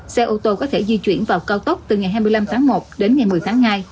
xe ô tô có thể di chuyển vào cao tốc từ ngày hai mươi năm tháng một đến ngày một mươi tháng hai